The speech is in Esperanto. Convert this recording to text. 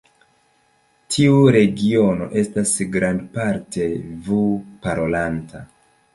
Tiu regiono estas grandparte vu-parolanta.